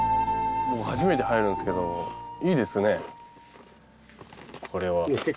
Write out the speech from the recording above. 初めて入るんですけどいいですねこれは。